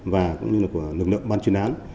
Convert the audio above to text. và cũng như là của lực lượng ban chuyên án